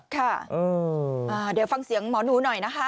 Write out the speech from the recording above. ค่ะมาฟังเสียงหมอหนูหน่อยนะคะ